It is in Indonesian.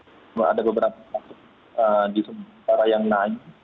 cuma ada beberapa pasien di sumatera yang naik